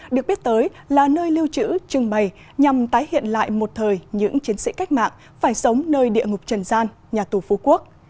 được biết tới là nơi lưu trữ trưng bày nhằm tái hiện lại một thời những chiến sĩ cách mạng phải sống nơi địa ngục trần gian nhà tù phú quốc